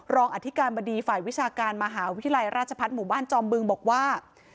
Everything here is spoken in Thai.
อธิการบดีฝ่ายวิชาการมหาวิทยาลัยราชพัฒน์หมู่บ้านจอมบึงบอกว่า